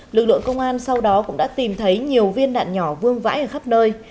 lực lượng công an sau đó cũng đã tìm thấy nhiều viên đạn nhỏ vương vãi ở khắp nơi